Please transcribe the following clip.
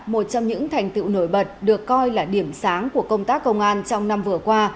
một trong những thành tựu nổi bật được coi là điểm sáng của công tác công an trong năm vừa qua